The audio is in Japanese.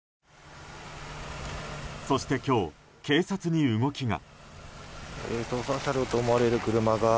そして、今日警察に動きが。